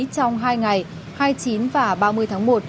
trong hai ngày hai mươi chín và ba mươi tháng một